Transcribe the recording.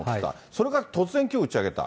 それが突然、きょう打ち上げた。